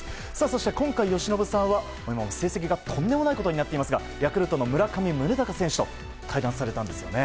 そして今回、由伸さんは成績がとんでもないことになっているヤクルトの村上宗隆選手と会談されたんですね。